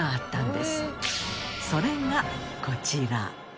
それがこちら。